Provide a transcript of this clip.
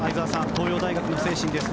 東洋大学の精神です。